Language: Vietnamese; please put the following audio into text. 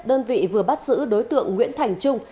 đơn vị vừa bắt giữ đối tượng nguyễn thành trung